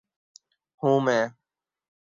ہوں میں